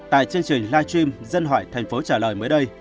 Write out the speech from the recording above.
tại chương trình live stream dân hỏi thành phố trả lời mới đây